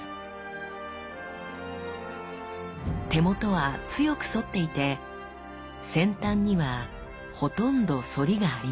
手元は強く反っていて先端にはほとんど反りがありません。